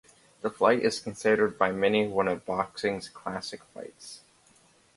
The fight is considered by many one of boxing's classic fights.